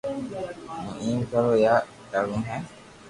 ھون ايم ڪرو ابا ايم ڪروي ھي